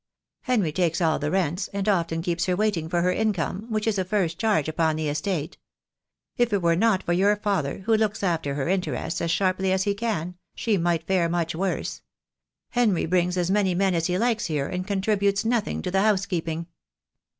Henry takes all the rents, and often keeps her waiting for her income, which is a first charge upon the estate. If it were not for your father, who looks after her interests as sharply as he can, she might fare much worse. Henry brings as many men as he likes here, and contributes nothing to the housekeeping."